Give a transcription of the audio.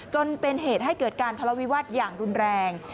จนเป็นเหตุให้เกิดการทะเลาวิวาสอย่างรุนแรง